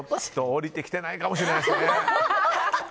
降りてきてないかもしれないですね。